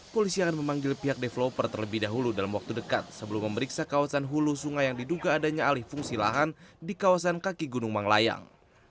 polisi akan memanggil pihak developer terlebih dahulu dalam waktu dekat sebelum memeriksa kawasan hulu sungai yang diduga adanya alih fungsi lahan di kawasan kaki gunung manglayang